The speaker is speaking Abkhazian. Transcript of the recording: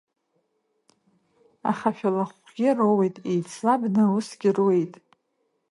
Ахашәалахә-гьы роуеит, еицлабны аусгьы руеит!